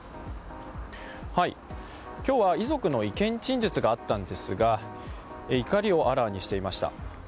今日は遺族の意見陳述があったんですが怒りをあらわにしていました。